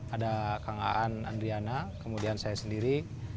ada kang aan andriana kemudian saya sendiri